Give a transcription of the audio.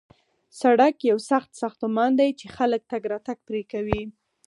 سړک یو سخت ساختمان دی چې خلک تګ راتګ پرې کوي